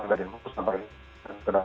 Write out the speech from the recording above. menurut saya tidak